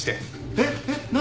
えっ？えっ？何？